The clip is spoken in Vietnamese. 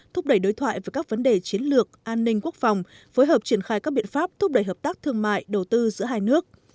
thúc đẩy đối thoại về các vấn đề chiến lược an ninh quốc phòng phối hợp triển khai các biện pháp thúc đẩy hợp tác thương mại đầu tư giữa hai nước